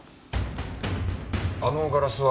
あのガラスは？